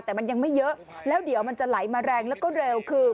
แต่มันยังไม่เยอะแล้วเดี๋ยวมันจะไหลมาแรงแล้วก็เร็วคือ